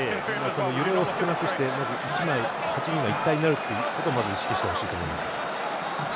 揺れを少なくして８人が一体になるということを意識してほしいですね。